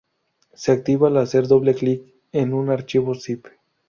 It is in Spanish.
Se activa al hacer doble click en un archivo Zip.